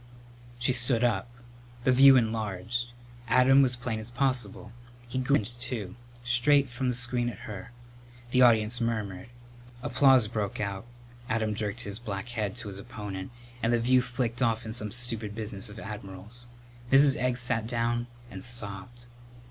She stood up. The view enlarged. Adam was plain as possible. He grinned, too; straight from the screen at her. The audience murmured. Applause broke out, Adam jerked his black head to his opponent and the view flicked off in some stupid business of admirals. Mrs. Egg sat down and sobbed.